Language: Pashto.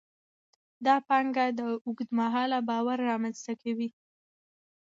دا پانګه د اوږد مهاله باور رامینځته کوي.